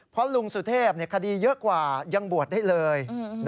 เพราะลุงสุเทพคดีเยอะกว่ายังบวชได้เลย